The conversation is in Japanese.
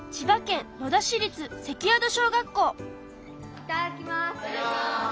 いただきます！